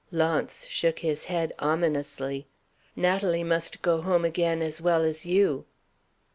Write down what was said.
Launce shook his head ominously. "Natalie must go home again as well as you!"